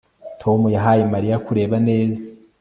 Tom yahaye Mariya kureba neza